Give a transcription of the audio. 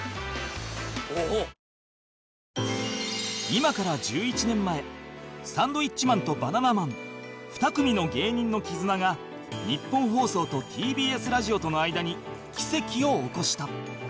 今から１１年前サンドウィッチマンとバナナマン２組の芸人の絆がニッポン放送と ＴＢＳ ラジオとの間に奇跡を起こした